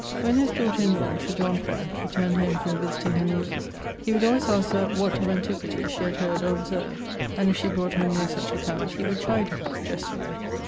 When his daughter in lawe (Sir John's wife) returned home from visitting her neighbours, he would alwaies aske her what of antiquity she had heard or observed, and if she brought home no such account, he would chide her (jestingly).